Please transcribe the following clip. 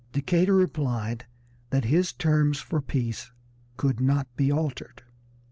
Decatur replied that his terms for peace could not be altered.